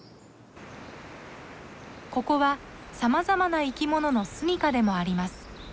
ここはさまざまな生き物の住みかでもあります。